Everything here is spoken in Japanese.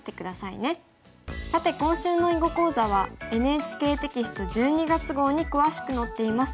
さて今週の囲碁講座はＮＨＫテキスト１２月号に詳しく載っています。